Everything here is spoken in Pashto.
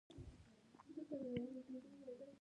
سیلابونه د افغانستان د جغرافیوي تنوع یو څرګند مثال دی.